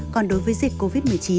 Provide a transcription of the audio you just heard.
còn đối với dịch covid một mươi chín